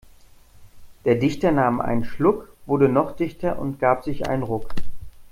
Der Dichter nahm einen Schluck, wurde noch dichter und gab sich einen Ruck.